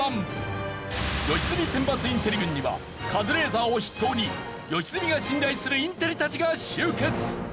良純選抜インテリ軍にはカズレーザーを筆頭に良純が信頼するインテリたちが集結。